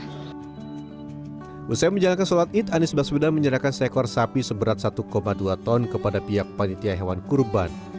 musim menjalankan solat id anies baswedan menjalankan seekor sapi seberat satu dua ton kepada pihak panitia hewan